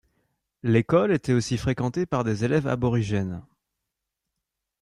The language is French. L’école était aussi fréquentée par des élèves aborigènes.